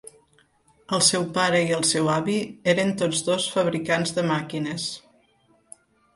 El seu pare i el seu avi eren tots dos fabricants de màquines.